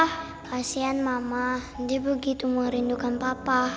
kasian mama dia begitu merindukan papa